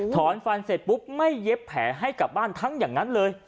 ถอนฟันเสร็จปุ๊บไม่เย็บแผลให้กลับบ้านทั้งอย่างนั้นเลย